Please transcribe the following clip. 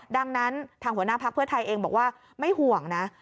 ดังนั้นทางหัวหน้าพักเพื่อไทยเองบอกว่าไม่ห่วงนะ